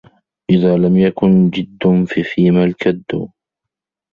إذَا لَمْ يَكُنْ جَدٌّ فَفِيمَ الْكَدُّ